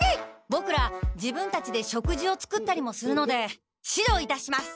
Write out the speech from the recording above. ボクら自分たちで食事を作ったりもするので指導いたします。